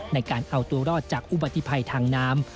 ในการเอาตัวรอดจากอุบัติภัยทางน้ำ